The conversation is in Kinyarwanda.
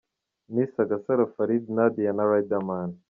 Miss Agasaro Farid Nadia na Riderman.